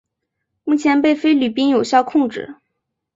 目前被菲律宾有效控制。